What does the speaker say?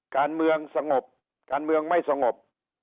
การเมืองสงบการเมืองไม่สงบ